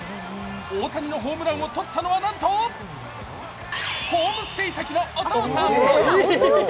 大谷のホームランをとったのはなんとホームステイ先のお父さん。